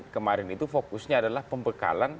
kemarin itu fokusnya adalah pembekalan